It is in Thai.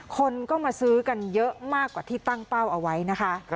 คนก็มาซื้อกันเยอะมากกว่าที่ตั้งเป้าเอาไว้นะคะ